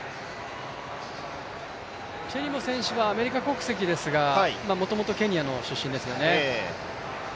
チェリモ選手はアメリカ国籍ですがもともとケニアの出身ですよね。